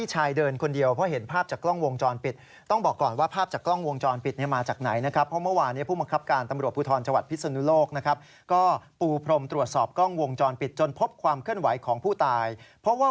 ส่วนที่น้องสาวของอาจารย์อัดสงสัยว่า